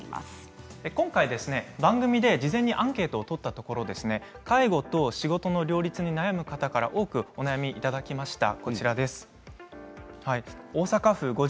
今回、番組で事前にアンケートを取ったところ介護と仕事の両立で悩む方から多くお悩みをいただきました。